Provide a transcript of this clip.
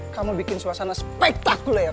kamu bikin suasana spektakuler